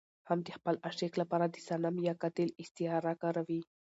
هم د خپل عاشق لپاره د صنم يا قاتل استعاره کاروي.